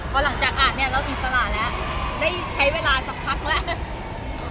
พอหลังจากอ่านเนี่ยเราอิสระแล้วได้ใช้เวลาสักพักแล้ว